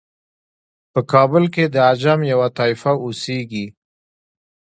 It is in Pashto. په کابل کې د عجم یوه طایفه اوسیږي.